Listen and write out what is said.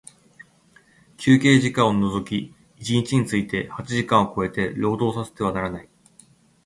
休憩時間を除き一日について八時間を超えて、労働させてはならない。